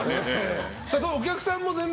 お客さんも全然。